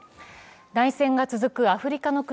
内戦が続くアフリカの国